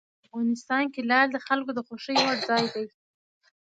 افغانستان کې لعل د خلکو د خوښې وړ ځای دی.